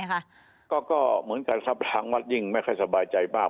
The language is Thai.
ก็เหมือนกันทรัพพรางวัดยิ่งไม่ค่อยสบายใจมาก